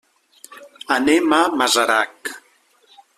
Anem a Masarac.